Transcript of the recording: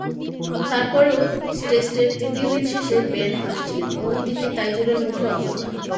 তার পরও টেস্টের তৃতীয় দিন শেষে বেন হাসছিলেন, অন্যদিকে তাইজুলের মুখে অন্ধকার।